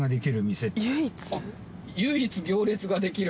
唯一行列ができる？